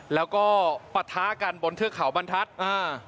แล้วก็ปะทะกันบนเทือกเขาบรรทัศน์อ่า